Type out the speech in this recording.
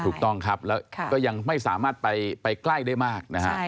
ถูกต้องครับแล้วก็ยังไม่สามารถไปใกล้ได้มากนะฮะ